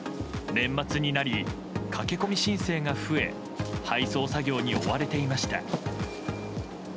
年末になり駆け込み申請が増え配送作業に追われていました。